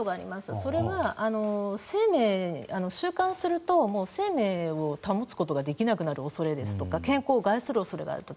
それは収監すると生命を保つことができなくなる恐れですとか健康を害する恐れがある時。